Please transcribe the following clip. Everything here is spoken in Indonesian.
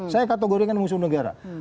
saya kategorikan musuh negara